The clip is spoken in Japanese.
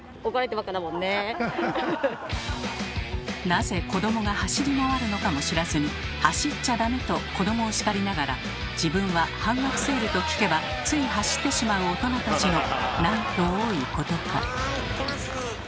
なぜ子どもが走り回るのかも知らずに「走っちゃダメ！」と子どもを叱りながら自分は「半額セール」と聞けばつい走ってしまう大人たちのなんと多いことか。